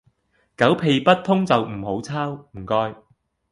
狗屁不通就唔好抄，唔該